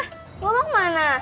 bunga lo mau kemana